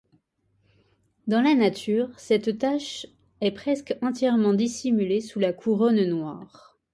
Dans la nature, cette tache est presque entièrement dissimulée sous la couronne noire.